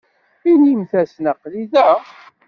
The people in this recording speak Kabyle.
Inimt-asen aql-i da.